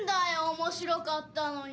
面白かったのに。